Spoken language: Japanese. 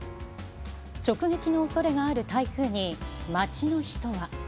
直撃のおそれがある台風に、街の人は。